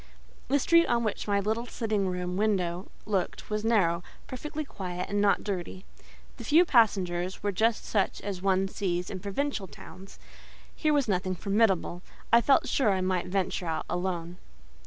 The street on which my little sitting room window looked was narrow, perfectly quiet, and not dirty: the few passengers were just such as one sees in provincial towns: here was nothing formidable; I felt sure I might venture out alone.